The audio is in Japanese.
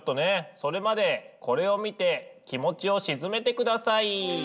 それまでこれを見て気持ちを静めてください。